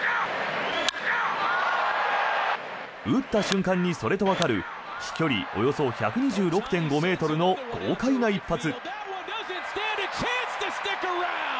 打った瞬間にそれとわかる飛距離およそ１２６．５ｍの豪快な一発。